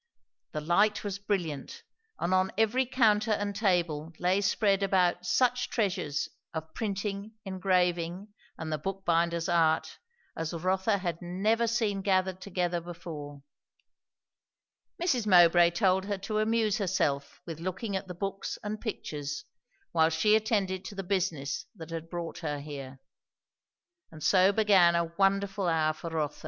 The light was brilliant; and on every counter and table lay spread about such treasures of printing, engraving, and the book binder's art, as Rotha had never seen gathered together before. Mrs. Mowbray told her to amuse herself with looking at the books and pictures, while she attended to the business that brought her here; and so began a wonderful hour for Rotha.